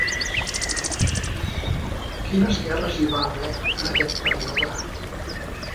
Quines guerres hi va haver en aquest període?